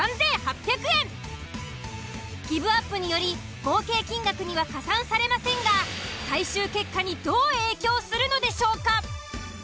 ギブアップにより合計金額には加算されませんが最終結果にどう影響するのでしょうか。